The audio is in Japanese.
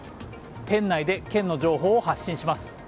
県外で県の情報を発信します。